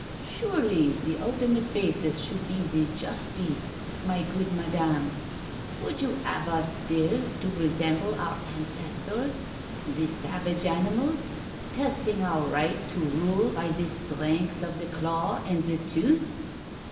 Surely the ultimate basis should be the Justice, my good Madame? Would you have us still to resemble our ancestors, the savage animals, testing our right to rule by the strength of the claw and the tooth?"